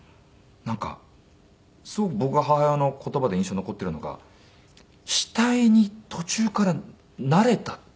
なんかすごく僕は母親の言葉で印象に残っているのが「死体に途中から慣れた」って言うんですよ。